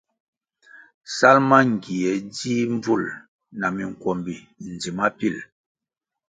Sal mangie dzih mbvúl na minkwombi ndzima pil.